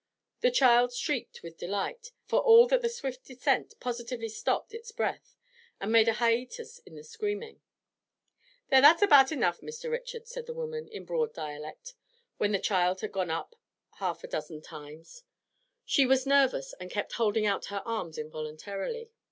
The child shrieked with delight, for all that the swift descent positively stopped its breath, and made a hiatus in the screaming. 'Theer, that's abaht enough, Mr. Richard,' said the woman, in broad dialect, when the child had gone up half a dozen times; she was nervous, and kept holding out her arms involuntarily.